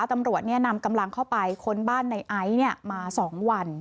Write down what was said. ตำรวจนำกำลังเข้าไปค้นบ้านในไอซ์มา๒วัน